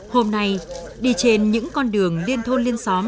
hôm nay đi trên những con đường liên thôn liên xóm